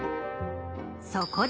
そこで